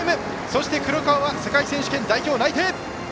そして、黒川は世界選手権、代表内定。